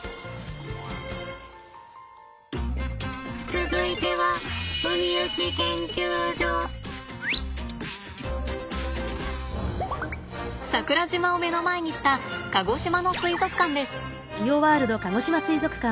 続いては桜島を目の前にした鹿児島の水族館です。